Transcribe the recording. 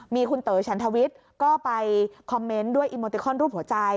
มีคุณเต๋อฉันทวิทย์ก็ไปคอมเมนต์ด้วยอีโมติคอนรูปหัวใจ